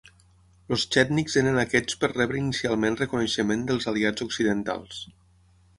Els Txètniks eren aquests per rebre inicialment reconeixement dels Aliats occidentals.